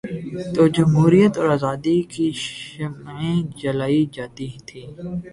تو جمہوریت اور آزادی کی شمعیں جلائی جاتی تھیں۔